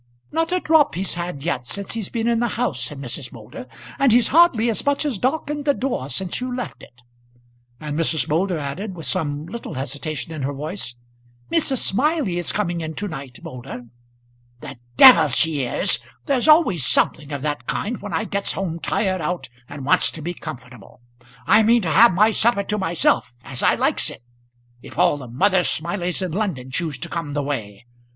"Not a drop he's had yet since he's been in the house," said Mrs. Moulder. "And he's hardly as much as darkened the door since you left it." And Mrs. Moulder added, with some little hesitation in her voice, "Mrs. Smiley is coming in to night, Moulder." "The d she is! There's always something of that kind when I gets home tired out, and wants to be comfortable. I mean to have my supper to myself, as I likes it, if all the Mother Smileys in London choose to come the way.